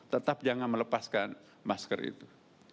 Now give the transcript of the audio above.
tetap jangan melepaskan masker itu